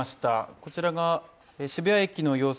こちらが渋谷駅の様子